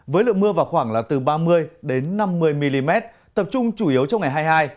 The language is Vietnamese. với lượng mưa vào khoảng là từ ba mươi năm mươi mm tập trung chủ yếu trong ngày hai mươi hai